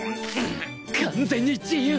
完全に自由